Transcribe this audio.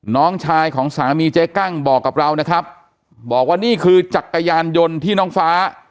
น้องชายของสามีเจ๊กั้งบอกกับเรานะครับบอกว่านี่คือจักรยานยนต์ที่น้องฟ้า